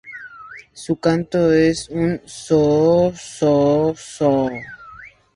Su canto es un "ssooo-ssooo-ssooo".